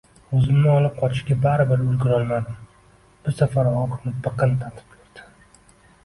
Oʻzimni olib qochishga baribir ulgurolmadim: bu safar ogʻriqni biqin tatib koʻrdi.